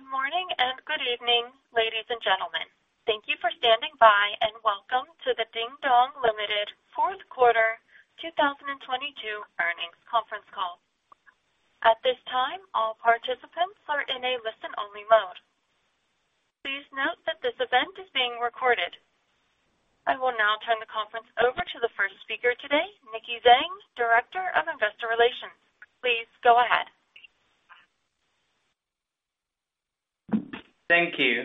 Good morning and good evening, ladies and gentlemen. Thank you for standing by and welcome to the Dingdong Limited Q4 2022 earnings conference call. At this time, all participants are in a listen-only mode. Please note that this event is being recorded. I will now turn the conference over to the first speaker today, Nicky Zheng, Director of Investor Relations. Please go ahead. Thank you.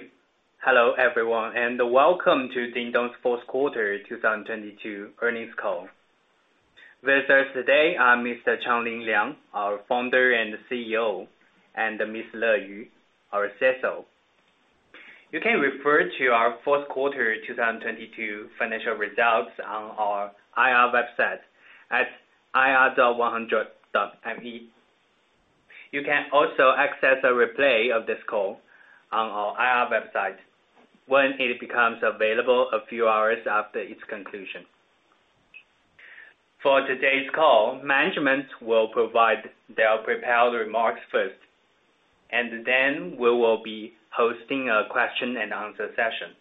Hello, everyone, welcome to Dingdong's Q4 2022 earnings call. With us today are Mr. Changlin Liang, our founder and CEO, and Ms. Le Yu, our CSO. You can refer to our Q4 2022 financial results on our IR website at ir.100.me. You can also access a replay of this call on our IR website when it becomes available a few hours after its conclusion. For today's call, management will provide their prepared remarks first, and then we will be hosting a question and answer session.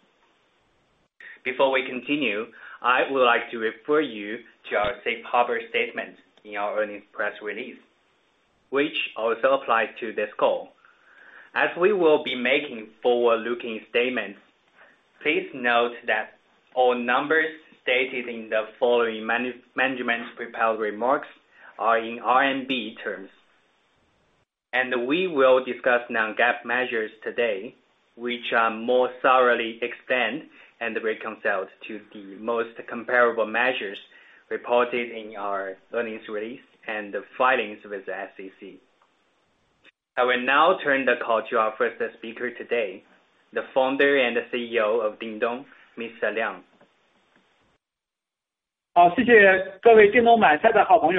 Before we continue, I would like to refer you to our safe harbor statement in our earnings press release, which also applies to this call. As we will be making forward-looking statements, please note that all numbers stated in the following management prepared remarks are in RMB terms. We will discuss non-GAAP measures today which are more thoroughly extend and reconciled to the most comparable measures reported in our earnings release and filings with the SEC. I will now turn the call to our first speaker today, the founder and CEO of Dingdong, Mr. Liang. [unintelligible] Thank you everyone. Welcome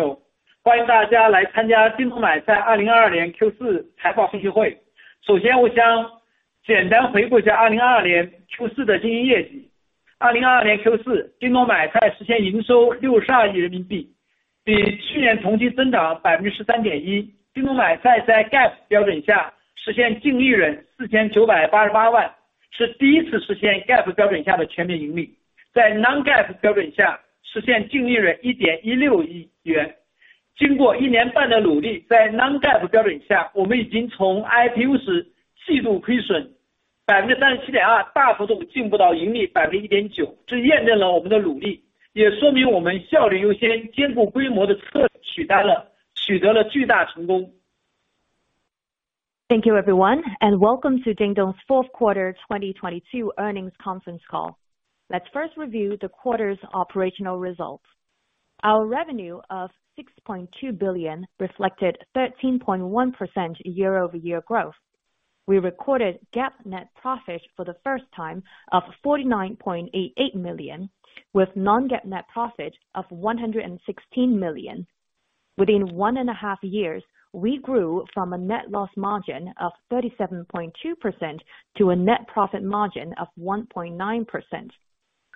to Dingdong's Q4 2022 earnings conference call. Let's first review the quarter's operational results. Our revenue of 6.2 billion reflected 13.1% year-over-year growth. We recorded GAAP net profit for the first time of 49.88 million, with non-GAAP net profit of 116 million. Within one and a half years, we grew from a net loss margin of 37.2% to a net profit margin of 1.9%.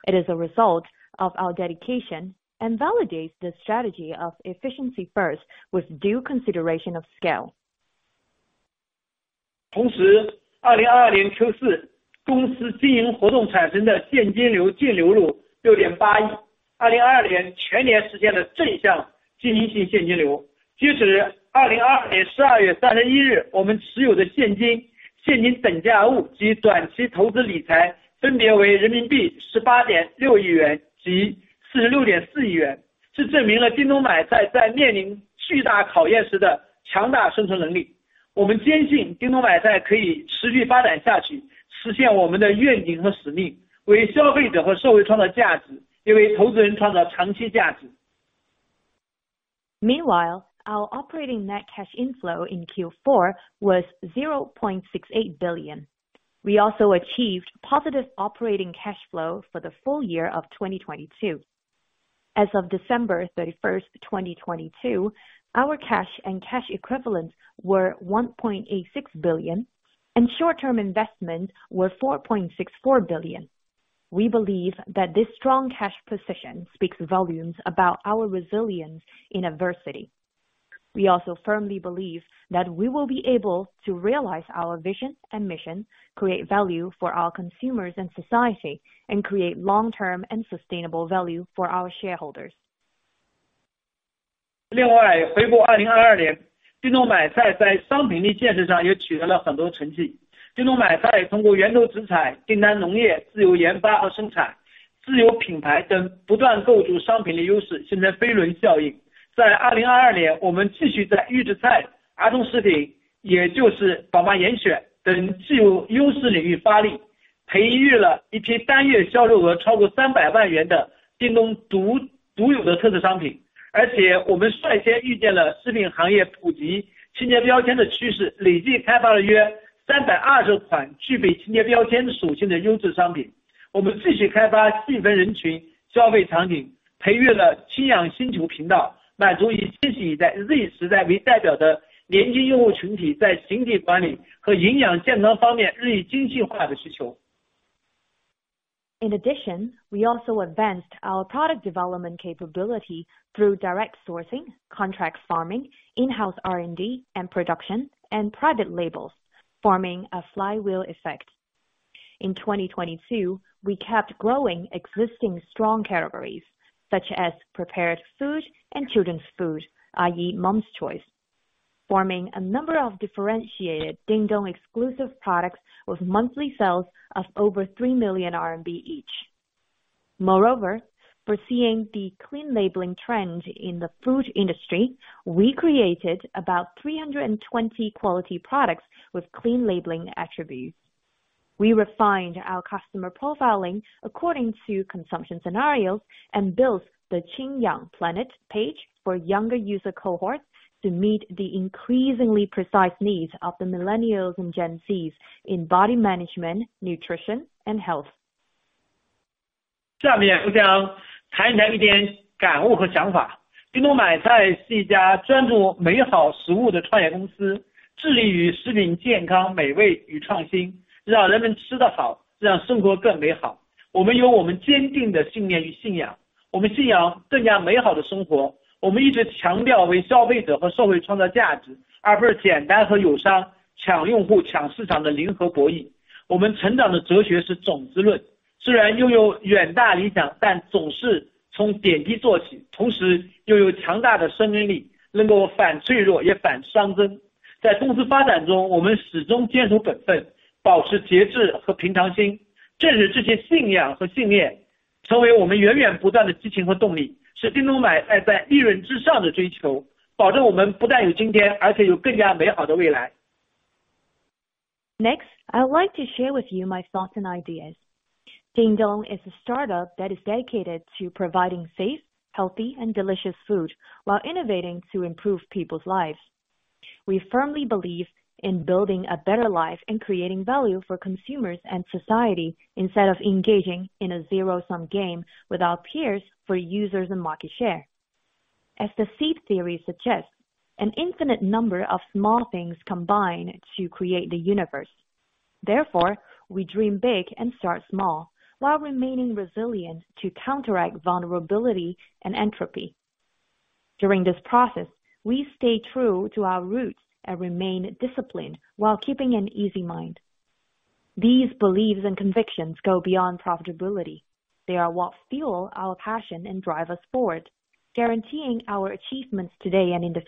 It is a result of our dedication and validates the strategy of efficiency first, with due consideration of scale. [unintelligible] Meanwhile, our operating net cash inflow in Q4 was 0.68 billion. We also achieved positive operating cash flow for the full year of 2022. As of December 31st, 2022, our cash and cash equivalents were 1.86 billion and short-term investments were 4.64 billion. We believe that this strong cash position speaks volumes about our resilience in adversity. We also firmly believe that we will be able to realize our vision and mission, create value for our consumers and society, and create long-term and sustainable value for our shareholders. (Forerign language).We also advanced our product development capability through direct sourcing, contract farming, in-house R&D and production, and private labels, forming a flywheel effect. In 2022, we kept growing existing strong categories such as prepared food and children's food, i.e. Mom's Choice, forming a number of differentiated Dingdong exclusive products with monthly sales of over 3 million RMB each. Moreover, foreseeing the clean labeling trend in the food industry, we created about 320 quality products with clean labeling attributes. We refined our customer profiling according to consumption scenarios and built the Qingyang Planet page for younger user cohorts to meet the increasingly precise needs of the millennials and Gen Z's in body management, nutrition, and health. I would like to share with you my thoughts and ideas. Dingdong is a startup that is dedicated to providing safe, healthy, and delicious food while innovating to improve people's lives. We firmly believe in building a better life and creating value for consumers and society instead of engaging in a zero-sum game without peers for users and market share. As the seed theory suggests, an infinite number of small things combine to create the universe. Therefore, we dream big and start small, while remaining resilient to counteract vulnerability and entropy. During this process, we stay true to our roots and remain disciplined while keeping an easy mind. These beliefs and convictions go beyond profitability. They are what fuel our passion and drive us forward, guaranteeing our achievements today and in the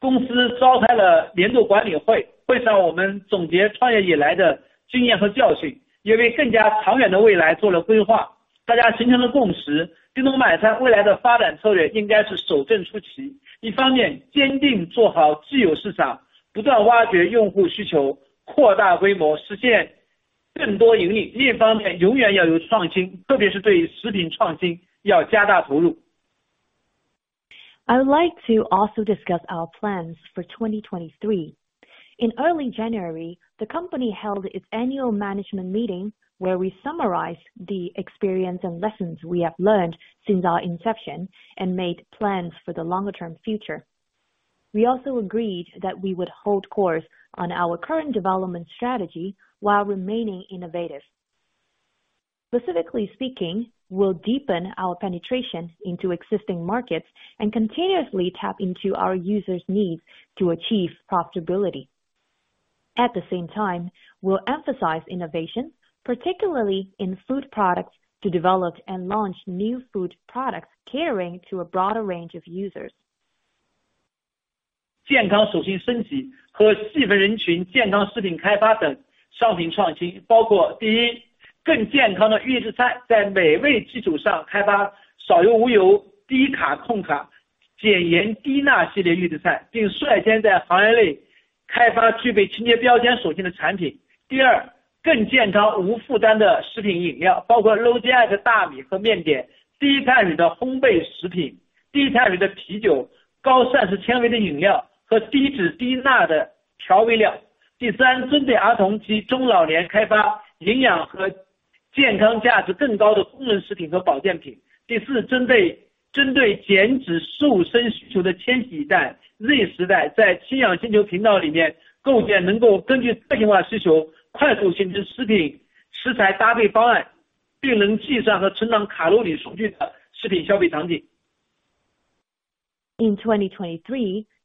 future. [unintelligible] I would like to also discuss our plans for 2023. In early January, the company held its annual management meeting, where we summarized the experience and lessons we have learned since our inception and made plans for the longer-term future. We also agreed that we would hold course on our current development strategy while remaining innovative. Specifically speaking, we'll deepen our penetration into existing markets and continuously tap into our users' needs to achieve profitability. At the same time, we'll emphasize innovation, particularly in food products, to develop and launch new food products catering to a broader range of users. In 2023,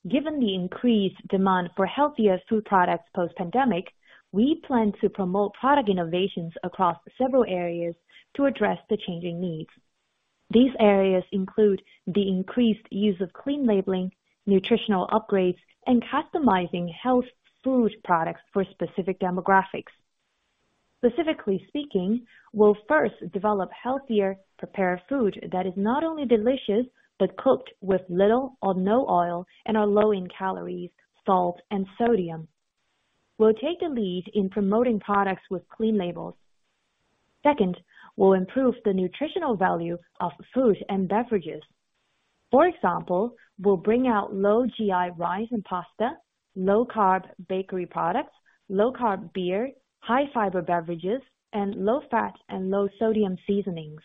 given the increased demand for healthier food products post-pandemic, we plan to promote product innovations across several areas to address the changing needs. These areas include the increased use of clean labeling, nutritional upgrades, and customizing health food products for specific demographics. Specifically speaking, we'll first develop healthier prepared food that is not only delicious, but cooked with little or no oil and are low in calories, salt, and sodium. We'll take the lead in promoting products with clean labels. Second, we'll improve the nutritional value of food and beverages. For example, we'll bring out low GI rice and pasta, low-carb bakery products, low-carb beer, high-fiber beverages, and low-fat and low-sodium seasonings.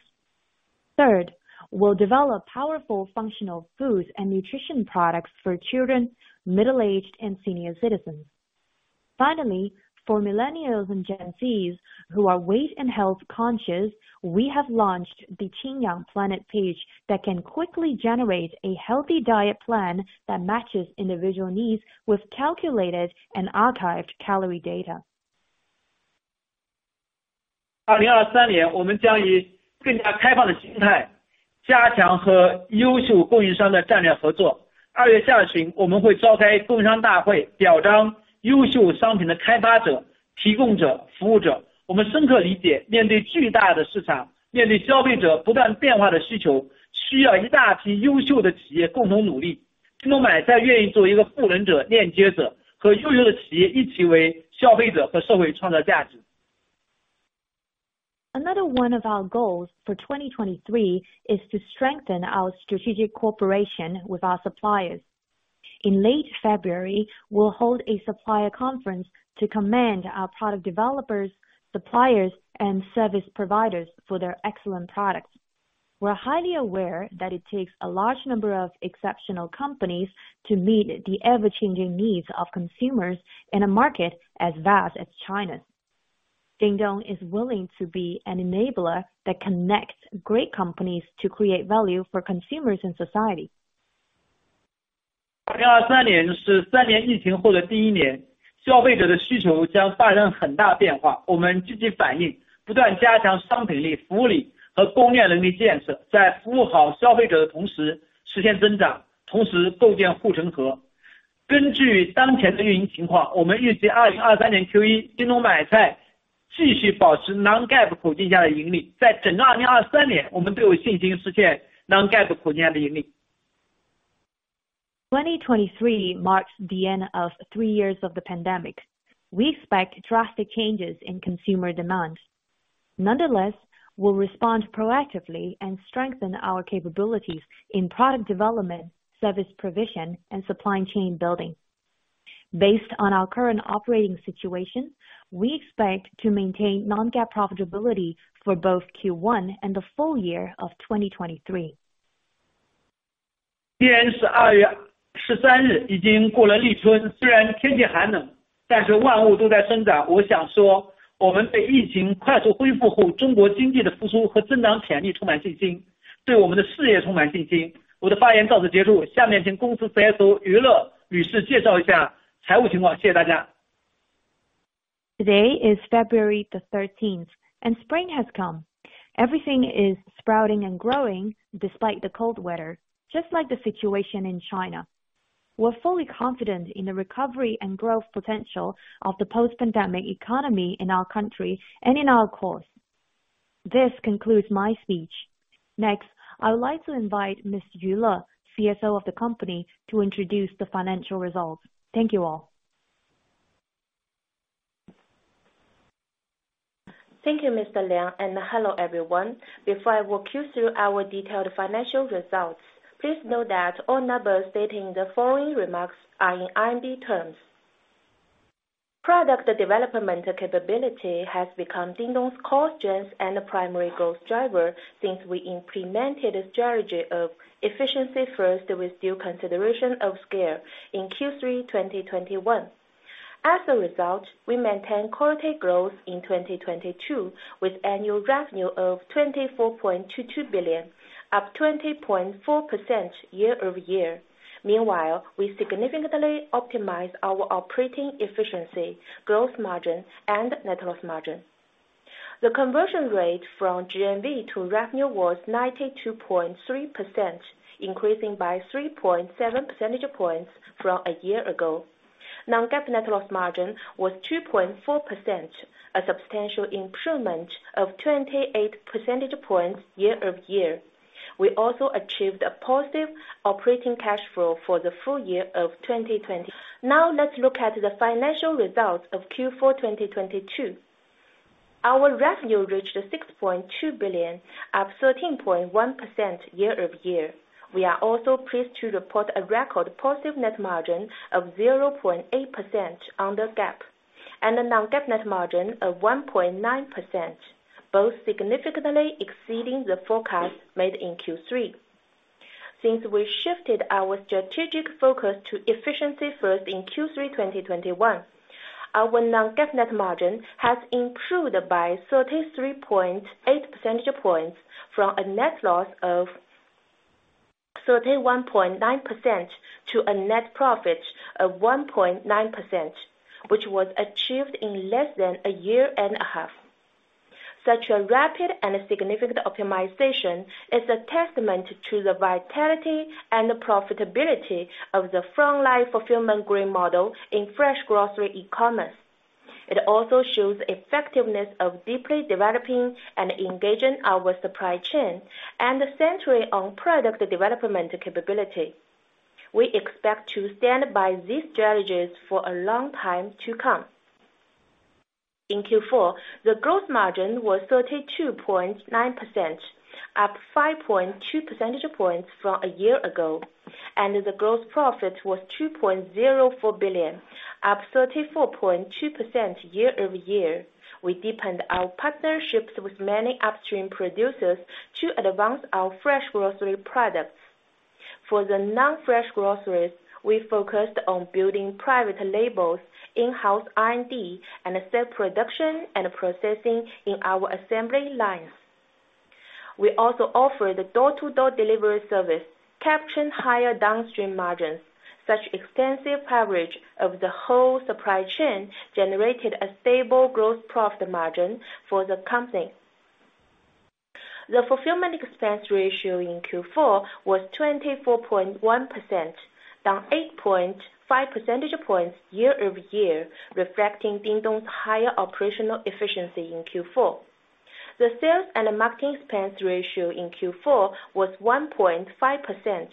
Third, we'll develop powerful functional foods and nutrition products for children, middle-aged, and senior citizens. For millennials and Gen Zs who are weight and health conscious, we have launched the Qingyang Planet page that can quickly generate a healthy diet plan that matches individual needs with calculated and archived calorie data. [unintelligible] one of our goals for 2023 is to strengthen our strategic cooperation with our suppliers. In late February, we'll hold a supplier conference to commend our product developers, suppliers, and service providers for their excellent products. We're highly aware that it takes a large number of exceptional companies to meet the ever-changing needs of consumers in a market as vast as China's. Dingdong is willing to be an enabler that connects great companies to create value for consumers in society. [unintelligible] 2023 marks the end of three years of the pandemic. We expect drastic changes in consumer demands. Nonetheless, we'll respond proactively and strengthen our capabilities in product development, service provision, and supply chain building. Based on our current operating situation, we expect to maintain non-GAAP profitability for both Q1 and the full year of 2023. [unintelligible] Today is February the 13th and spring has come. Everything is sprouting and growing despite the cold weather, just like the situation in China. We're fully confident in the recovery and growth potential of the post-pandemic economy in our country and in our course. This concludes my speech. Next, I would like to invite Ms. Yu Le, CSO of the company, to introduce the financial results. Thank you all. Thank you, Mr. Liang, and hello everyone. Before I walk you through our detailed financial results, please note that all numbers stated in the following remarks are in RMB terms. Product development capability has become Dingdong's core strength and the primary growth driver since we implemented a strategy of efficiency first with due consideration of scale in Q3 2021. As a result, we maintain quality growth in 2022 with annual revenue of 24.22 billion, up 20.4% year-over-year. Meanwhile, we significantly optimize our operating efficiency, gross margin, and net loss margin. The conversion rate from GMV to revenue was 92.3%, increasing by 3.7 percentage points from a year ago. Non-GAAP net loss margin was 2.4%, a substantial improvement of 28 percentage points year-over-year. We also achieved a positive operating cash flow for the full year of 2020-. Let's look at the financial results of Q4 2022. Our revenue reached 6.2 billion, up 13.1% year-over-year. We are also pleased to report a record positive net margin of 0.8% under GAAP and a non-GAAP net margin of 1.9%, both significantly exceeding the forecast made in Q3. Since we shifted our strategic focus to efficiency first in Q3 2021, our non-GAAP net margin has improved by 33.8 percentage points from a net loss of 31.9% to a net profit of 1.9%, which was achieved in less than a year and a half. Such a rapid and significant optimization is a testament to the vitality and the profitability of the frontline fulfillment growth model in fresh grocery e-commerce. It also shows effectiveness of deeply developing and engaging our supply chain and centering on product development capability. We expect to stand by these strategies for a long time to come. In Q4, the gross margin was 32.9%, up 5.2 percentage points from a year ago. The gross profit was 2.04 billion, up 34.2% year-over-year. We deepened our partnerships with many upstream producers to advance our fresh grocery products. For the non-fresh groceries, we focused on building private labels, in-house R&D, and set production and processing in our assembly lines. We also offer the door-to-door delivery service, capturing higher downstream margins. Such extensive coverage of the whole supply chain generated a stable growth profit margin for the company. The fulfillment expense ratio in Q4 was 24.1%, down 8.5 percentage points year-over-year, reflecting Dingdong's higher operational efficiency in Q4. The sales and marketing expense ratio in Q4 was 1.5%,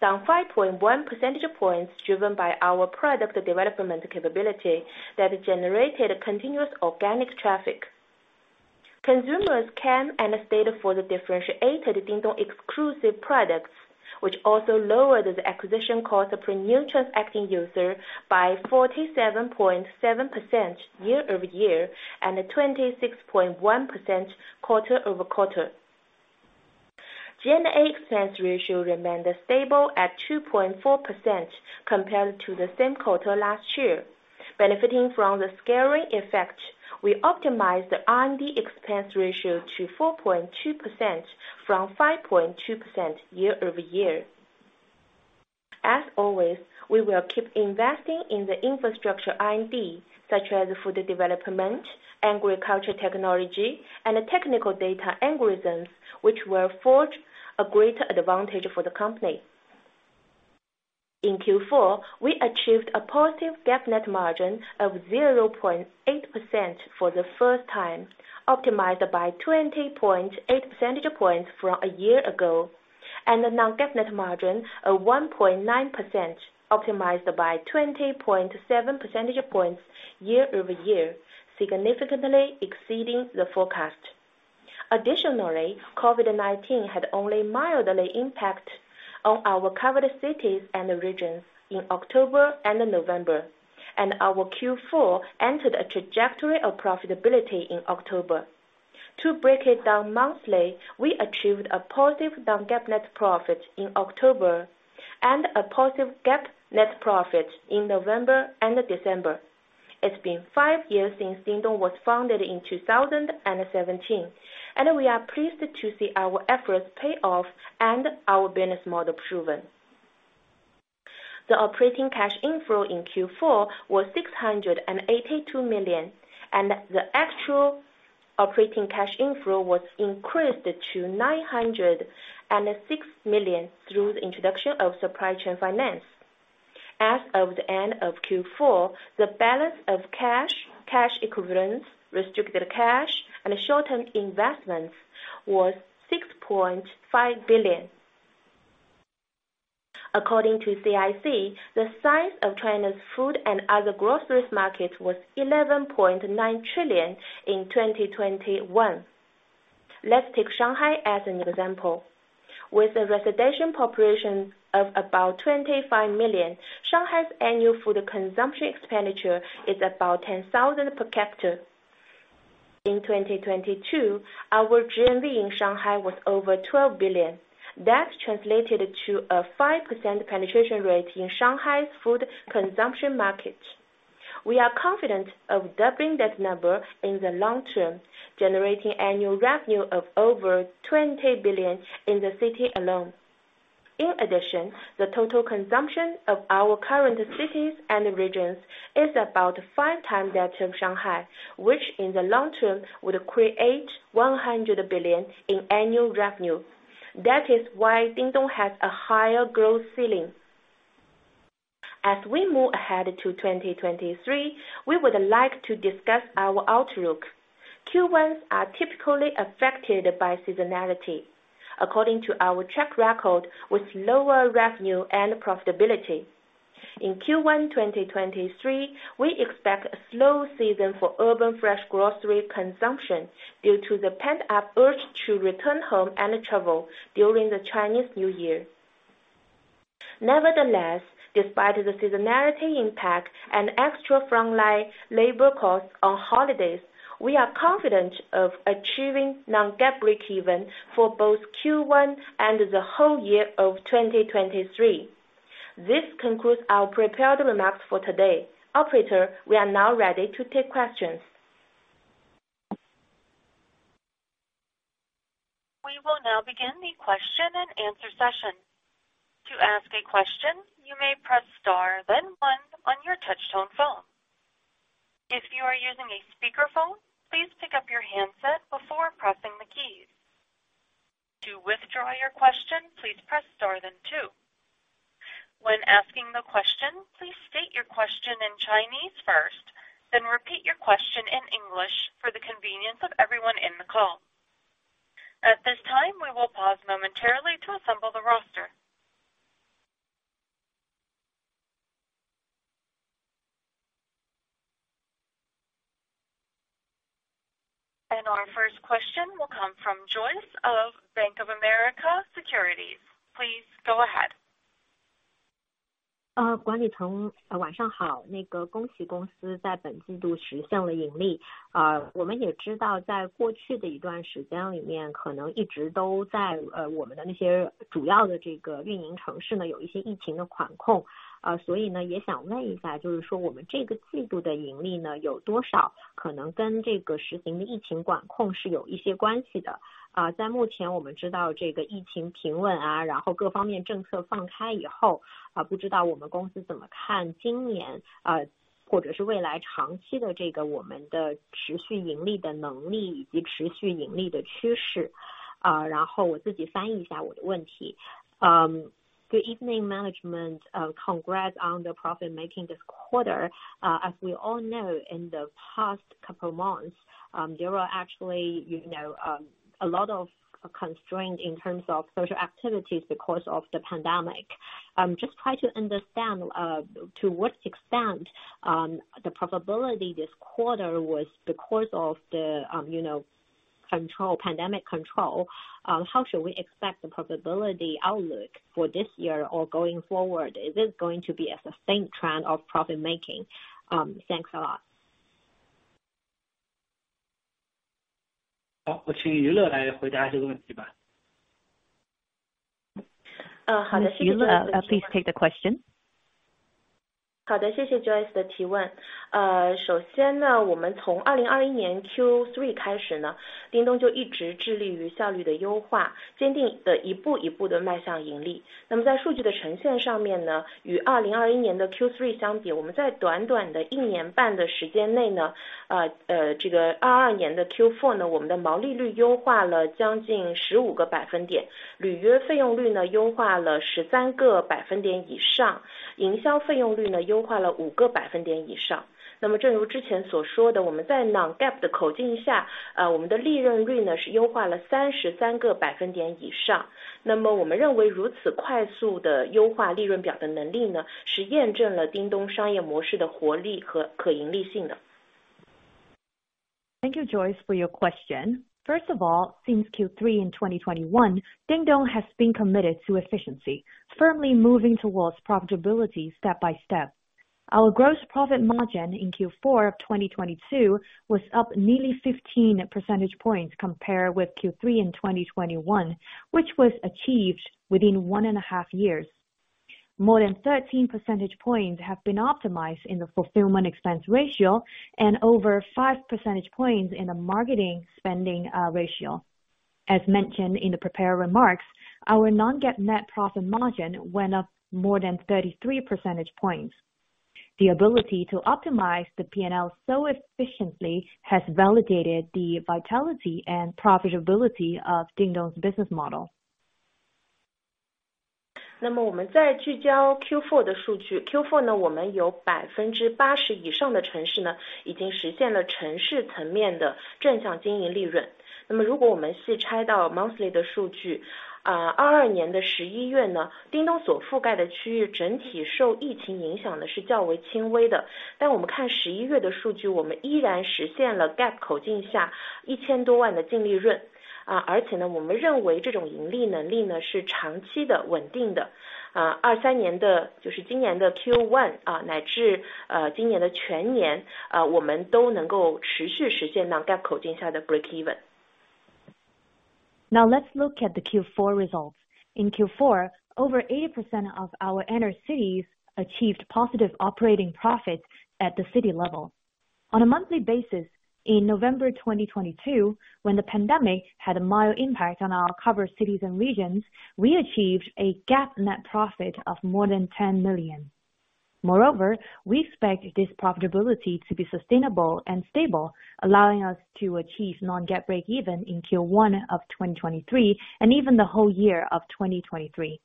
down 5.1 percentage points, driven by our product development capability that generated continuous organic traffic. Consumers came and stayed for the differentiated Dingdong exclusive products, which also lowered the acquisition cost per new transacting user by 47.7% year-over-year, and 26.1% quarter-over-quarter. G&A expense ratio remained stable at 2.4% compared to the same quarter last year. Benefiting from the scaling effect, we optimized the R&D expense ratio to 4.2% from 5.2% year-over-year. As always, we will keep investing in the infrastructure R&D, such as food development, agriculture technology, and technical data algorithms, which will forge a greater advantage for the company. In Q4, we achieved a positive GAAP net margin of 0.8% for the first time, optimized by 20.8 percentage points from a year ago, and a non-GAAP net margin of 1.9%, optimized by 20.7 percentage points year-over-year, significantly exceeding the forecast. COVID-19 had only mildly impact on our covered cities and regions in October and November, and our Q4 entered a trajectory of profitability in October. To break it down monthly, we achieved a positive non-GAAP net profit in October and a positive GAAP net profit in November and December. It's been five years since Dingdong was founded in 2017, and we are pleased to see our efforts pay off and our business model proven. The operating cash inflow in Q4 was 682 million, and the actual operating cash inflow was increased to 906 million through the introduction of supply chain finance. As of the end of Q4, the balance of cash equivalents, restricted cash, and short-term investments was 6.5 billion. According to CIC, the size of China's food and other groceries market was 11.9 trillion in 2021. Let's take Shanghai as an example. With a residential population of about 25 million, Shanghai's annual food consumption expenditure is about 10,000 per capita. In 2022, our GMV in Shanghai was over 12 billion. That translated to a 5% penetration rate in Shanghai's food consumption market. We are confident of doubling that number in the long term, generating annual revenue of over 20 billion in the city alone. The total consumption of our current cities and regions is about five times that of Shanghai, which in the long term would create 100 billion in annual revenue. That is why Dingdong has a higher growth ceiling. As we move ahead to 2023, we would like to discuss our outlook. Q1s are typically affected by seasonality, according to our track record with lower revenue and profitability. In Q1 2023, we expect a slow season for urban fresh grocery consumption due to the pent-up urge to return home and travel during the Chinese New Year. Despite the seasonality impact and extra frontline labor costs on holidays, we are confident of achieving non-GAAP breakeven for both Q1 and the whole year of 2023. This concludes our prepared remarks for today. Operator, we are now ready to take questions. We will now begin the question-and-answer session. To ask a question, you may press star then one on your touchtone phone. If you are using a speakerphone, please pick up your handset before pressing the keys. To withdraw your question, please press star then two. When asking the question, please state your question in Chinese first, then repeat your question in English for the convenience of everyone in the call. At this time, we will pause momentarily to assemble the roster. Our first question will come from Joyce of Bank of America Securities. Please go ahead. [unintelligible] Good evening management, congrats on the profit making this quarter. As we all know, in the past couple months, there were actually, you know, a lot of constraint in terms of social activities because of the pandemic. Just try to understand, to what extent, the profitability this quarter was because of the, you know, control, pandemic control. How should we expect the profitability outlook for this year or going forward? Is this going to be a sustained trend of profit making? Thanks a lot. [unintelligible] [unintelligible] [unintelligible] Please take the question. [unintelligible] Thank you, Joyce, for your question. First of all, since Q3 in 2021, Dingdong has been committed to efficiency, firmly moving towards profitability step by step. Our gross profit margin in Q4 of 2022 was up nearly 15 percentage points compared with Q3 in 2021, which was achieved within one and a half years. More than 13 percentage points have been optimized in the fulfillment expense ratio and over 5 percentage points in the marketing spending ratio. As mentioned in the prepared remarks, our Non-GAAP net profit margin went up more than 33 percentage points. The ability to optimize the PNL so efficiently has validated the vitality and profitability of Dingdong's business model. [unintelligible] monthly [unintelligible] break even. Let's look at the Q4 results. In Q4, over 80% of our inner cities achieved positive operating profits at the city level. On a monthly basis, in November 2022, when the pandemic had a mild impact on our covered cities and regions, we achieved a GAAP net profit of more than 10 million. We expect this profitability to be sustainable and stable, allowing us to achieve Non-GAAP break even in Q1 of 2023, and even the whole year of 2023.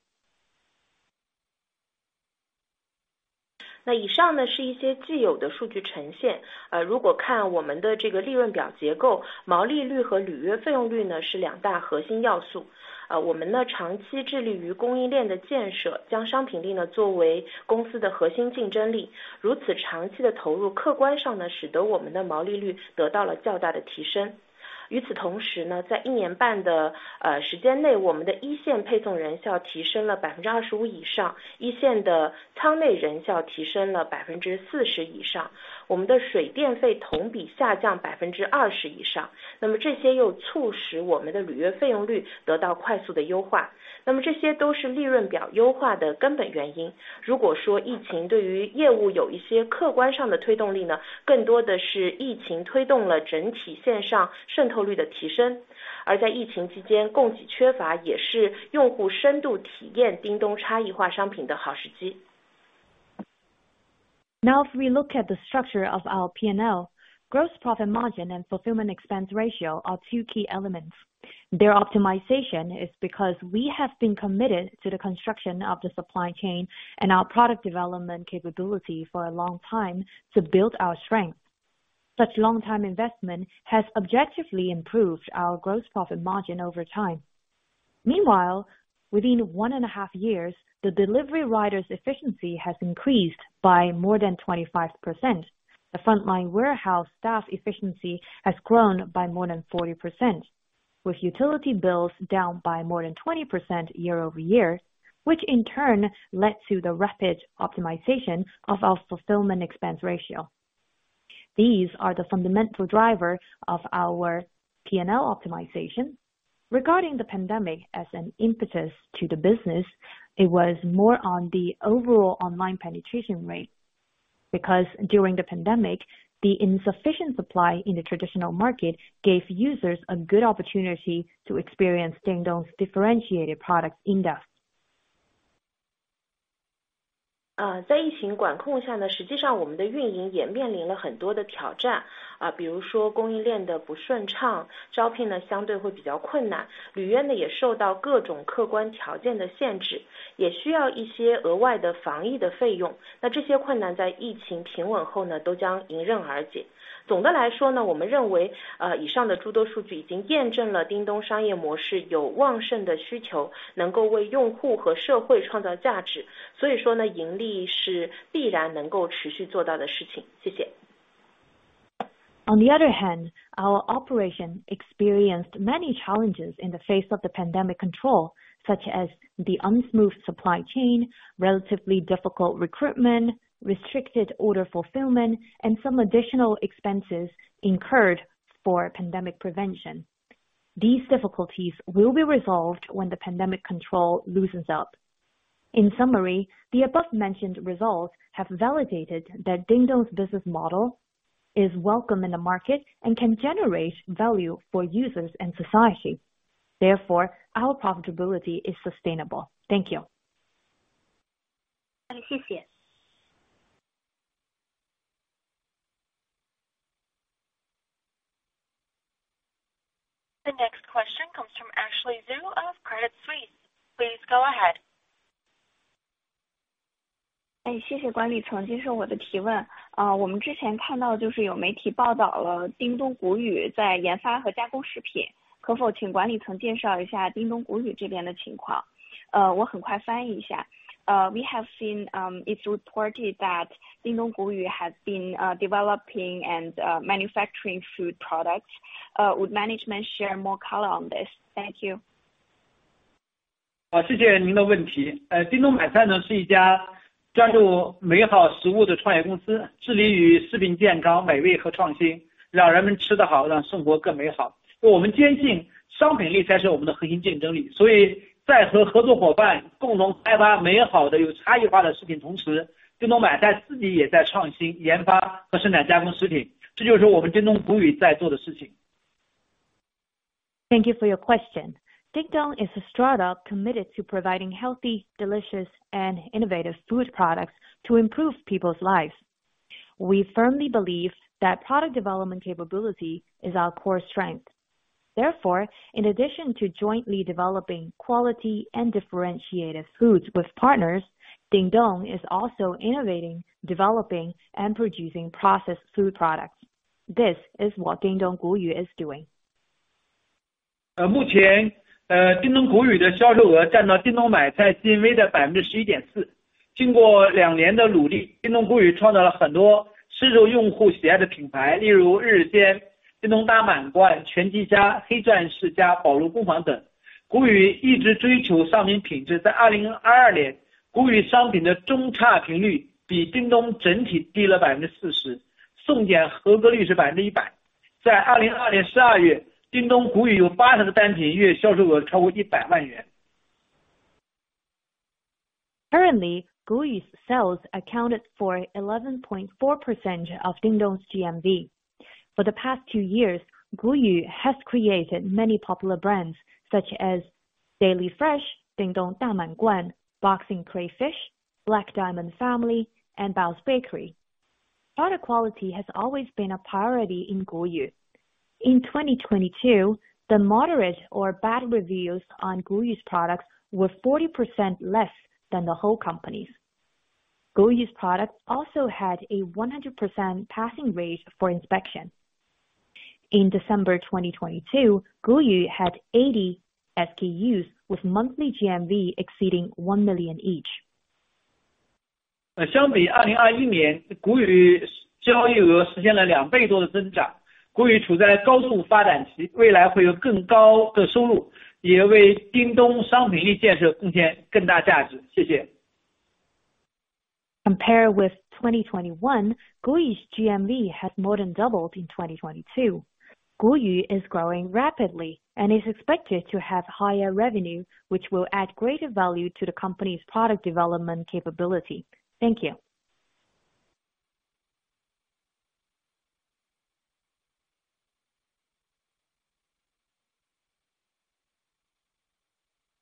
[unintelligible] If we look at the structure of our PNL, gross profit margin and fulfillment expense ratio are two key elements. Their optimization is because we have been committed to the construction of the supply chain and our product development capability for a long time to build our strength. Such long-time investment has objectively improved our gross profit margin over time. Meanwhile, within one and a half years, the delivery riders efficiency has increased by more than 25%. The frontline warehouse staff efficiency has grown by more than 40%, with utility bills down by more than 20% year-over-year, which in turn led to the rapid optimization of our fulfillment expense ratio. These are the fundamental driver of our PNL optimization. Regarding the pandemic as an impetus to the business, it was more on the overall online penetration rate, because during the pandemic, the insufficient supply in the traditional market gave users a good opportunity to experience Dingdong's differentiated product in-depth. [unintelligible] On the other hand, our operation experienced many challenges in the face of the pandemic control, such as the unsmooth supply chain, relatively difficult recruitment, restricted order fulfillment, and some additional expenses incurred for pandemic prevention. These difficulties will be resolved when the pandemic control loosens up. In summary, the above mentioned results have validated that Dingdong's business model is welcome in the market and can generate value for users and society. Therefore, our profitability is sustainable. Thank you. [unintelligible] The next question comes from Ashley Xu of Credit Suisse. Please go ahead. [unintelligible] We have seen, it's reported that [unintelligible] has been developing and manufacturing food products. Would management share more color on this? Thank you. [unintelligible] Thank you for your question. Dingdong is a startup committed to providing healthy, delicious, and innovative food products to improve people's lives. We firmly believe that product development capability is our core strength. In addition to jointly developing quality and differentiated foods with partners, Dingdong is also innovating, developing and producing processed food products. This is what Dingdong Guyu is doing. [unintelligible] Currently, Guyu's sales accounted for 11.4% of Dingdong's GMV. For the past 2 years, Guyu has created many popular brands such as Daily Fresh, Dingdong, [unintelligible] Boxing Crayfish, Black Diamond Family and Bao's Bakery. Product quality has always been a priority in Guyu. In 2022, the moderate or bad reviews on Guyu's products were 40% less than the whole companies. Guyu's products also had a 100% passing rate for inspection. In December 2022, Guyu had 80 SKUs, with monthly GMV exceeding RMB 1 million each. [unintelligible] Compare with 2021, Guyu's GMV has more than doubled in 2022. [unintelligible] is growing rapidly and is expected to have higher revenue, which will add greater value to the company's product development capability. Thank you.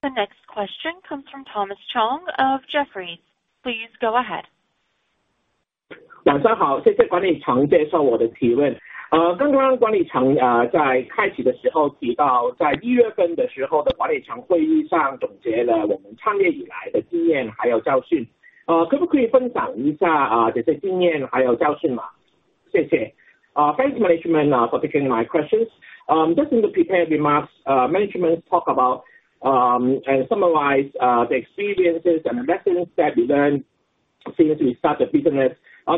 The next question comes from Thomas Chong of Jefferies. Please go ahead. [unintelligible] [unintelligible] Thanks management for taking my questions. Just in the prepared remarks, management talk about, and summarize, the experiences and the lessons that we learned since we start the business.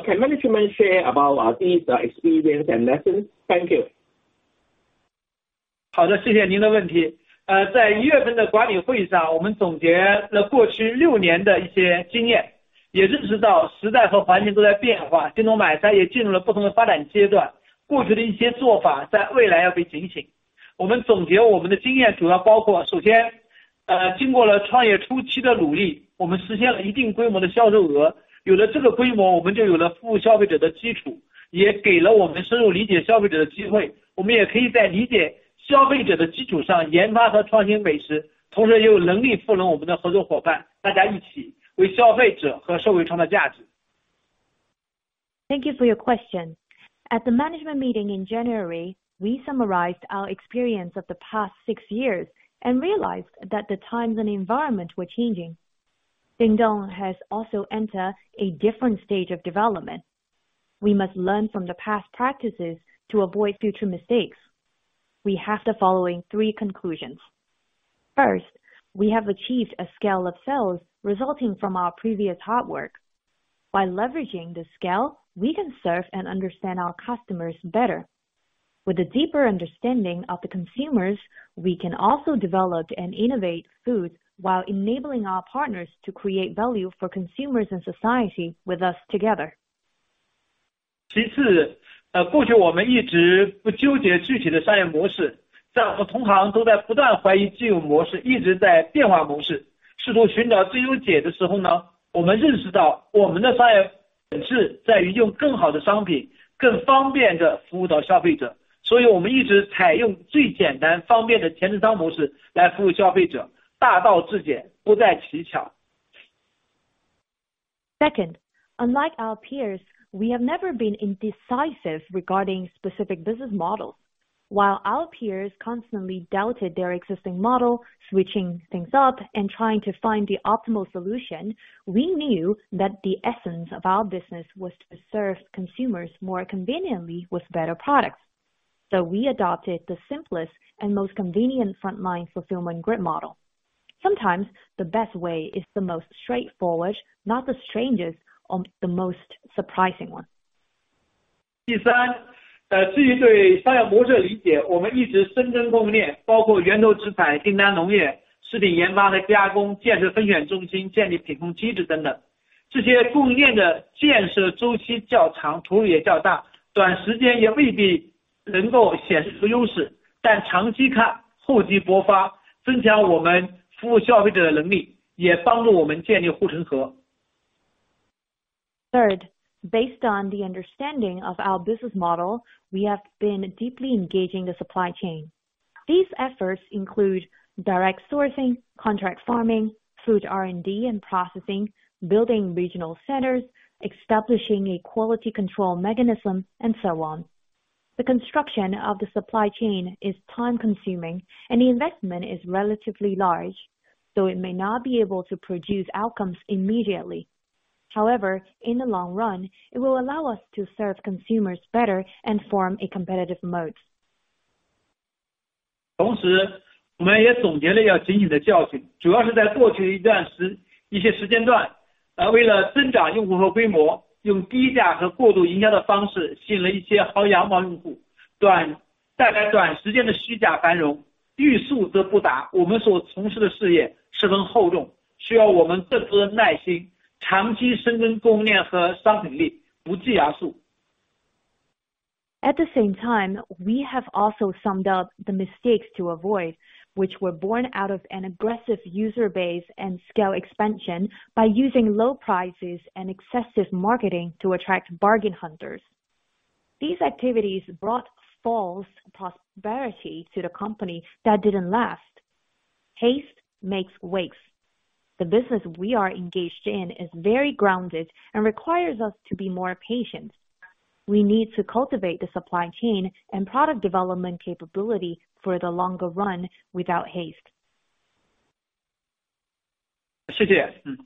Can management share about these experience and lessons? Thank you. [unintelligible] Thank you for your question. At the management meeting in January, we summarized our experience of the past six years and realized that the times and environment were changing. Dingdong has also entered a different stage of development. We must learn from the past practices to avoid future mistakes. We have the following three conclusions: First, we have achieved a scale of sales resulting from our previous hard work. By leveraging this scale, we can serve and understand our customers better. With a deeper understanding of the consumers, we can also develop and innovate foods while enabling our partners to create value for consumers and society with us together. [unintelligible] Second, unlike our peers, we have never been indecisive regarding specific business models. While our peers constantly doubted their existing model, switching things up and trying to find the optimal solution, we knew that the essence of our business was to serve consumers more conveniently with better products. We adopted the simplest and most convenient frontline fulfillment grid model. Sometimes the best way is the most straightforward, not the strangest or the most surprising one. [unintelligible] Third, based on the understanding of our business model, we have been deeply engaging the supply chain. These efforts include direct sourcing, contract farming, food R&D and processing, building regional centers, establishing a quality control mechanism and so on. The construction of the supply chain is time consuming and the investment is relatively large, so it may not be able to produce outcomes immediately. However, in the long run, it will allow us to serve consumers better and form a competitive mode. [unintelligible] At the same time, we have also summed up the mistakes to avoid, which were born out of an aggressive user base and scale expansion by using low prices and excessive marketing to attract bargain hunters. These activities brought false prosperity to the company that didn't last. Haste makes waste. The business we are engaged in is very grounded and requires us to be more patient. We need to cultivate the supply chain and product development capability for the longer run without haste. [unintelligible]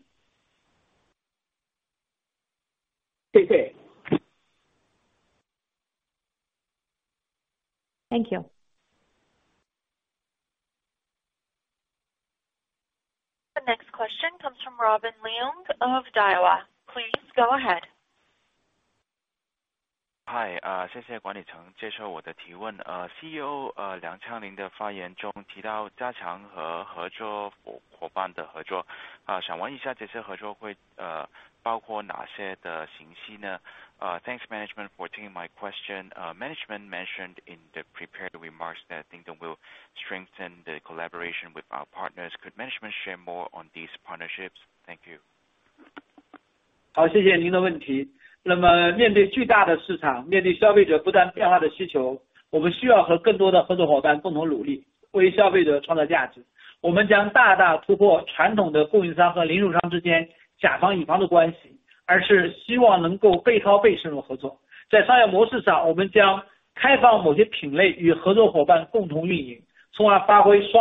Thank you. The next question comes from Robin Leung of Daiwa. Please go ahead. [unintelligible] Thanks management for taking my question. Management mentioned in the prepared remarks that I think they will strengthen the collaboration with our partners. Could management share more on these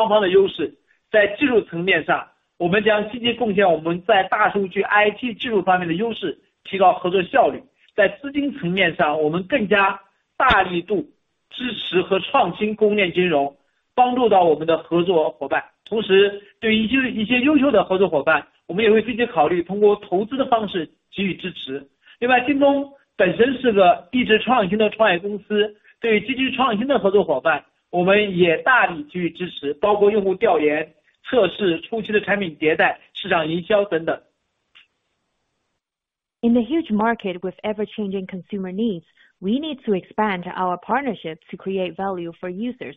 partnerships? Thank you. [unintelligible] In the huge market with ever-changing consumer needs, we need to expand our partnerships to create value for users.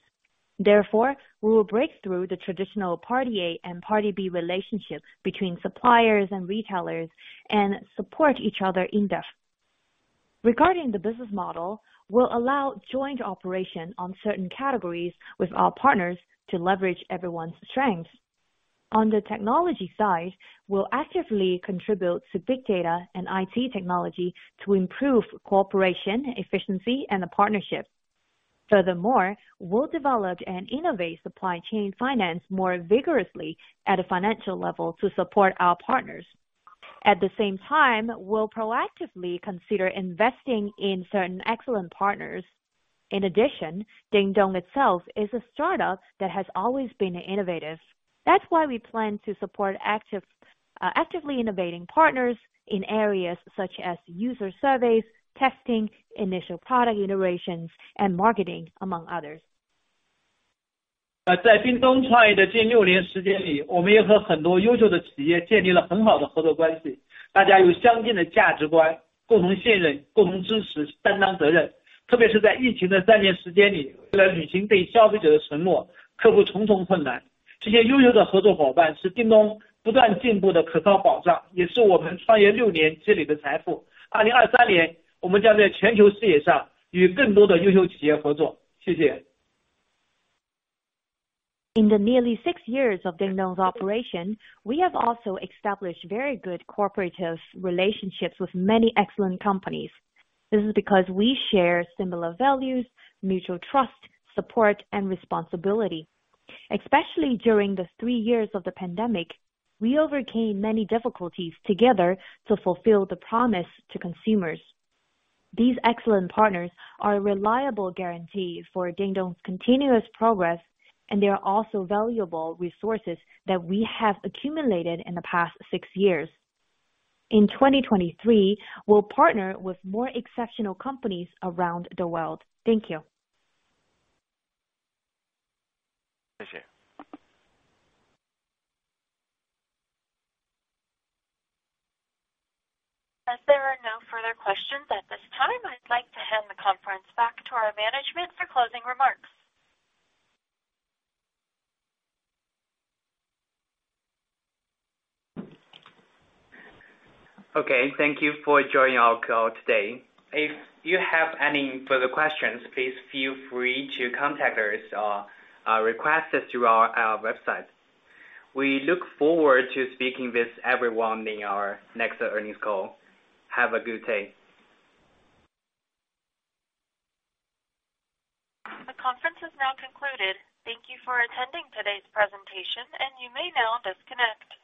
We will break through the traditional party A and party B relationships between suppliers and retailers and support each other in-depth. Regarding the business model, we'll allow joint operation on certain categories with our partners to leverage everyone's strengths. On the technology side, we'll actively contribute to big data and IT technology to improve cooperation, efficiency and the partnership. We'll develop and innovate supply chain finance more vigorously at a financial level to support our partners. We'll proactively consider investing in certain excellent partners. Dingdong itself is a startup that has always been innovative. That's why we plan to support active, actively innovating partners in areas such as user surveys, testing, initial product iterations and marketing, among others. [unintelligible] In the nearly six years of Dingdong's operation, we have also established very good cooperative relationships with many excellent companies. This is because we share similar values, mutual trust, support and responsibility. Especially during the 3 years of the pandemic, we overcame many difficulties together to fulfill the promise to consumers. These excellent partners are a reliable guarantee for Dingdong's continuous progress, and they are also valuable resources that we have accumulated in the past 6 years. In 2023, we'll partner with more exceptional companies around the world. Thank you. [unintelligible] As there are no further questions at this time, I'd like to hand the conference back to our management for closing remarks. Okay, thank you for joining our call today. If you have any further questions, please feel free to contact us or request us through our website. We look forward to speaking with everyone in our next earnings call. Have a good day. The conference is now concluded. Thank you for attending today's presentation. You may now disconnect.